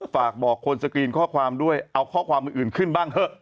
ฝากบอกคนสกรีนข้อความด้วยเอาข้อความอื่นขึ้นบ้างเถอะ